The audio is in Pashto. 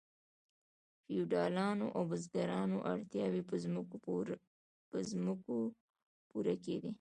د فیوډالانو او بزګرانو اړتیاوې په ځمکو پوره کیدې.